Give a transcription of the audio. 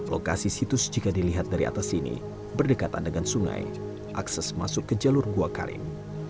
lokasi situs jika dilihat dari atas sini berdekatan dengan sungai akses masuk ke jalur gua karim